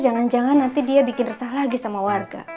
jangan jangan nanti dia bikin resah lagi sama warga